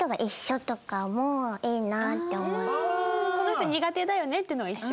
この人苦手だよねっていうのが一緒？